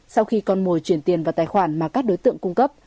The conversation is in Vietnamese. sau khi con mồi chuyển tiền vào tài khoản mà các đối tượng cung cấp